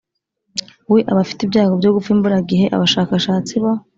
we aba afite ibyago byo gupfa imburagihe Abashakashatsi bo